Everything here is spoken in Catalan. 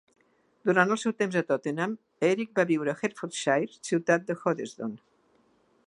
Durant el seu temps a Tottenham Erik va viure a Hertfordshire ciutat de Hoddesdon.